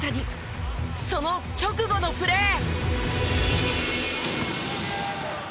その直後のプレー。